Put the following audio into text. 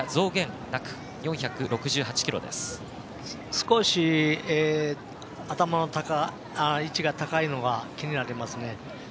少し頭の位置が高いのが気になりますね。